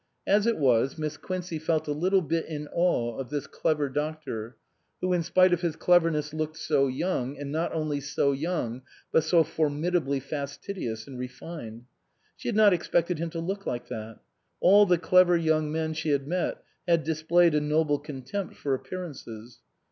As it was, Miss Quincey felt a little bit in awe of this clever doctor, who in spite of his cleverness looked so young, and not only so young but so formidably fastidious and refined. She had not expected him to look like that. All the clever young men she had met had displayed a noble contempt for appear ances.